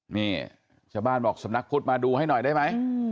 นี่ชาวบ้านบอกสำนักพุทธมาดูให้หน่อยได้ไหม